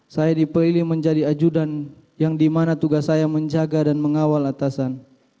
saya dipilih menjadi ajudan yang dimana tugas saya menjaga dan mengawal atasan